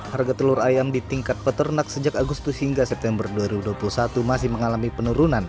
harga telur ayam di tingkat peternak sejak agustus hingga september dua ribu dua puluh satu masih mengalami penurunan